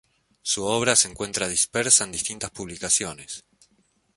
Su obra se encuentra dispersa en distintas publicaciones.